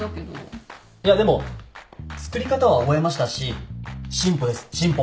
いやでも作り方は覚えましたし進歩です進歩。